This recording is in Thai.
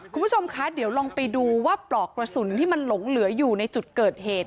คุณผู้ชมคะเดี๋ยวลองไปดูว่าปลอกกระสุนที่มันหลงเหลืออยู่ในจุดเกิดเหตุ